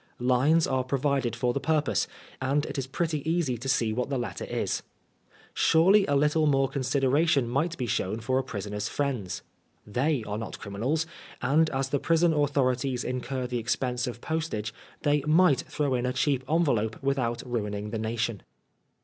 Lines are provided for the purpose, and it is pretty easy to Bee what the letter is. Surely a little more considera tion might be shown for a prisoner's friends. They are not criminals, and as the prison authorities incur the expense of postage, they might throw in a cheap envelope without ruining the nation.